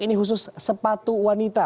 ini khusus sepatu wanita